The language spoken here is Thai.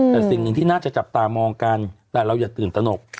แต่สิ่งหนึ่งที่น่าจะจับตามองกันแต่เราอย่าตื่นตนก